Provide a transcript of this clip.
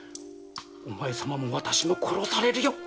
おまえ様も私も殺されるよ。